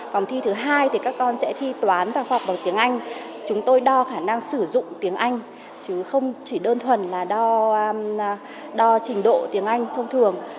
vòng thi thứ hai thì các con sẽ thi toán và khoa học bằng tiếng anh chúng tôi đo khả năng sử dụng tiếng anh chứ không chỉ đơn thuần là đo trình độ tiếng anh thông thường